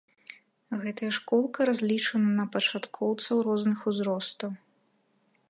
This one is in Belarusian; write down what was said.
Гэтая школка разлічана на пачаткоўцаў розных узростаў.